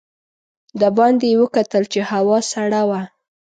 د باندې یې وکتل چې هوا سړه وه.